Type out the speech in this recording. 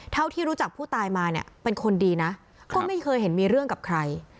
เท่าที่รู้จักผู้ตายมาเนี่ยเป็นคนดีนะก็ไม่เคยเห็นมีเรื่องกับใคร